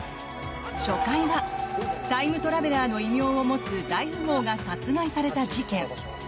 初回はタイムトラベラーの異名を持つ大富豪が殺害された事件。